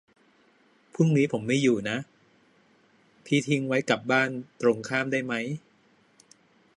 พรุ่งนี้ผมไม่อยู่นะ พี่ทิ้งไว้กับบ้านตรงข้ามได้ไหม